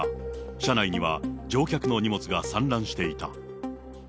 車内には乗客の荷物が散乱していた。